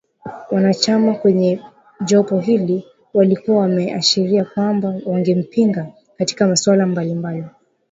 Wanachama kwenye jopo hilo walikuwa wameashiria kwamba wangempinga katika masuala mbali mbali